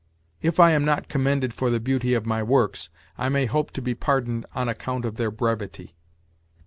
'If I am not commended for the beauty of my works, I may hope to be pardoned on account of their brevity.'